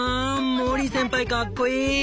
モリー先輩かっこいい！